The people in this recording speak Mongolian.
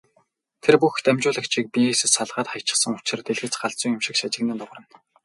Тэр бүх дамжуулагчийг биенээсээ салгаад хаячихсан учир дэлгэц галзуу юм шиг шажигнан дуугарна.